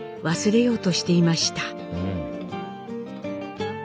忘れようとしていました。